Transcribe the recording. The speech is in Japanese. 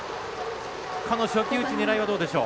この初球打ち狙いはどうでしょう。